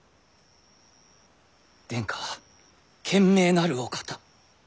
殿下は賢明なるお方。